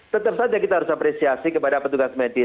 tetap saja kita harus apresiasi kepada petugas medis